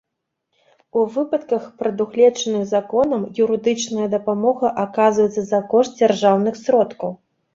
У выпадках, прадугледжаных законам, юрыдычная дапамога аказваецца за кошт дзяржаўных сродкаў.